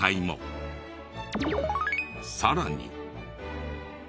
さらに。